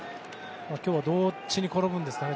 今日はどっちに転ぶかですかね。